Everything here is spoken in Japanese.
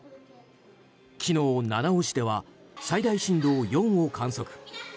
昨日、七尾市では最大震度４を観測。